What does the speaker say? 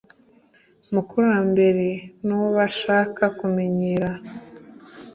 mukurambere n uwo bashaka kumenyera